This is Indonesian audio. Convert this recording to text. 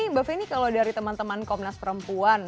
mbak feni kalau dari teman teman komnas perempuan